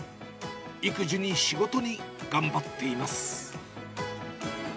育児に仕事に頑張っています。